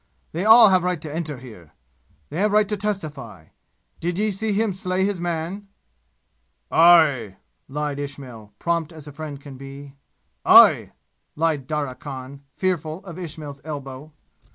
"They all have right to enter here. They have right to testify. Did ye see him slay his man?" "Aye!" lied Ismail, prompt as friend can be. "Aye!" lied Darya Khan, fearful of Ismail's elbow.